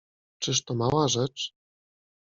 Czyż to mała rzecz?